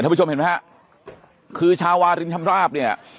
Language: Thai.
ท่านผู้ชมเห็นไหมฮะคือชาวรินทรัพย์เนี่ย